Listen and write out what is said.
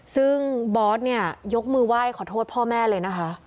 ซึ่งบอสเนี่ยยกมือไหว้ขอโทษพ่อแม่เลยนะคะ